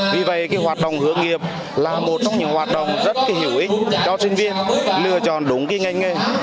vì vậy cái hoạt động hướng nghiệp là một trong những hoạt động rất hữu ích cho sinh viên lựa chọn đúng cái ngành nghề